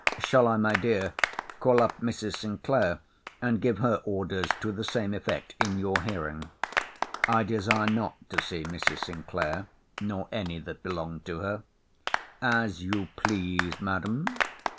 —Shall I, my dear, call up Mrs. Sinclair, and give her orders, to the same effect, in your hearing? I desire not to see Mrs. Sinclair; nor any that belong to her. As you please, Madam.